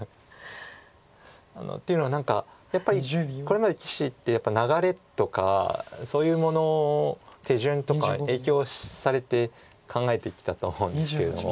っていうのは何かこれまでの棋士ってやっぱり流れとかそういうもの手順とか影響されて考えてきたと思うんですけれども。